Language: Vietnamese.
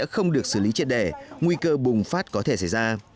sẽ không được xử lý triệt đẻ nguy cơ bùng phát có thể xảy ra